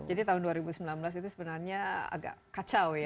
jadi tahun dua ribu sembilan belas itu sebenarnya agak kacau ya